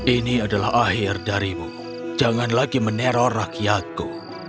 ini adalah akhir darimu jangan lagi meneror rakyatku